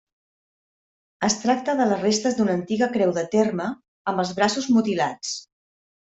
Es tracta de les restes d'una antiga creu de terme amb els braços mutilats.